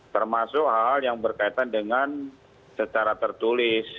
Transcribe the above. termasuk hal hal yang berkaitan dengan secara tertulis